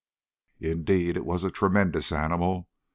Indeed, it was a tremendous animal.